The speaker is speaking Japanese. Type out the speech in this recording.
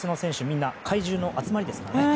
みんな怪獣の集まりですからね。